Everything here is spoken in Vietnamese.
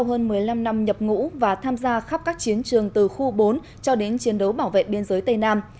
sau hơn một mươi năm năm nhập ngũ và tham gia khắp các chiến trường từ khu bốn cho đến chiến đấu bảo vệ biên giới tây nam